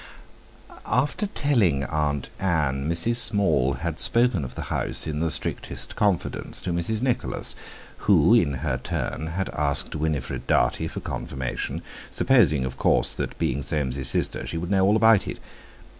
After telling Aunt Ann, Mrs. Small had spoken of the house in the strictest confidence to Mrs. Nicholas, who in her turn had asked Winifred Dartie for confirmation, supposing, of course, that, being Soames's sister, she would know all about it.